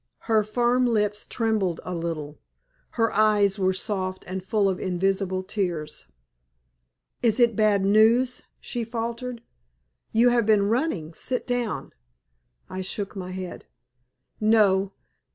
Her firm lips trembled a little. Her eyes were soft and full of invisible tears. "Is it bad news?" she faltered. "You have been running. Sit down." I shook my head. "No.